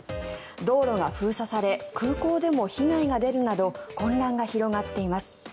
道路が封鎖され空港でも被害が出るなど混乱が広がっています。